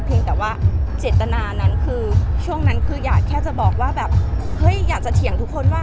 แต่ว่าเจตนานั้นคือช่วงนั้นคืออยากแค่จะบอกว่าแบบเฮ้ยอยากจะเถียงทุกคนว่า